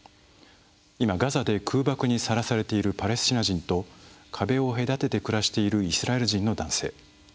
今、ガザで空爆にさらされているパレスチナ人と壁を隔てて暮らしているイスラエル人の男性。